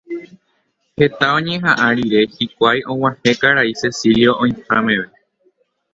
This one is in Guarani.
Heta oñeha'ã rire hikuái og̃uahẽ karai Cecilio oĩha meve.